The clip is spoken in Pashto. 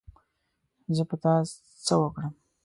زه په تا څه وکړم